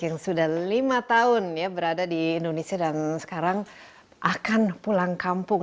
yang sudah lima tahun ya berada di indonesia dan sekarang akan pulang kampung